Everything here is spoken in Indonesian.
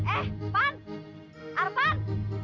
eh pan arfan